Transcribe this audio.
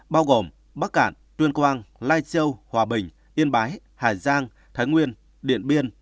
bao gồm bắc cản tuyên quang lai châu hòa bình yên bái hải giang thái nguyên điện biên